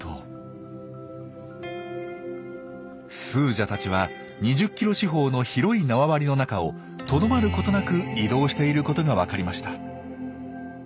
スージャたちは２０ｋｍ四方の広い縄張りの中をとどまることなく移動していることがわかりました。